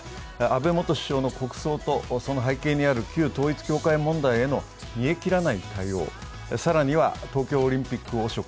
安倍元首相の国葬とその背景にある旧統一教会問題への煮え切らない対応、更には東京オリンピック汚職。